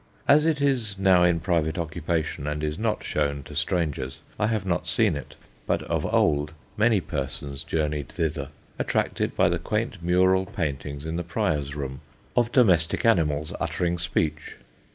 As it is now in private occupation and is not shown to strangers, I have not seen it; but of old many persons journeyed thither, attracted by the quaint mural paintings, in the Prior's room, of domestic animals uttering speech.